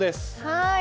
はい。